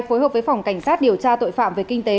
phối hợp với phòng cảnh sát điều tra tội phạm về kinh tế